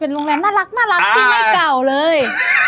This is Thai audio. โรงแรมน่ารักที่ไม่เก่าเลย